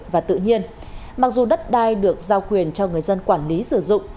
và tự nhiên mặc dù đất đai được giao quyền cho người dân quản lý sử dụng